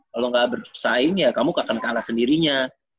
kalau enggak bersaing ya kamu gak akan kalah sendirinya